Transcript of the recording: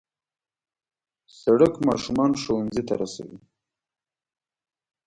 سړک ماشومان ښوونځي ته رسوي.